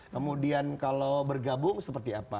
kemudian kalau bergabung seperti apa